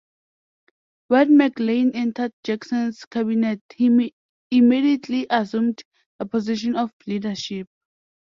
When McLane entered Jackson's cabinet he immediately assumed a position of leadership.